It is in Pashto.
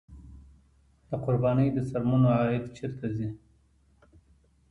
د قربانۍ د څرمنو عاید چیرته ځي؟